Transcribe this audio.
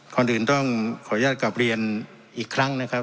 ก่อนอื่นต้องขออนุญาตกลับเรียนอีกครั้งนะครับ